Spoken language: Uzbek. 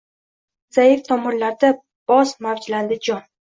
Zaif tomirlarda boz mavjlandi jon